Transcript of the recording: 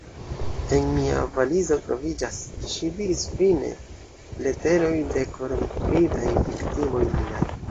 En mia valizo troviĝas, ŝi diris fine, leteroj de korrompitaj viktimoj liaj.